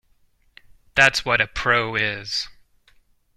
That's what a pro is.